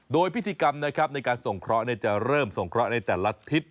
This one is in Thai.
โดยพิธีกรรมนะครับในการส่งเคราะห์จะเริ่มส่งเคราะห์ในแต่ละทิศ